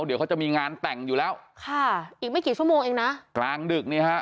เดี๋ยวเขาจะมีงานแต่งอยู่แล้วค่ะอีกไม่กี่ชั่วโมงเองนะกลางดึกนี่ฮะ